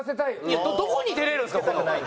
いやどこに出られるんですか？